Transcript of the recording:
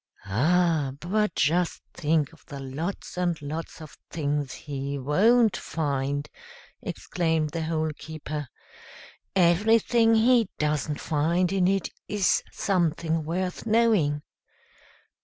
"Ah! but just think of the lots and lots of things he won't find," exclaimed the Hole keeper. "Everything he doesn't find in it is something worth knowing.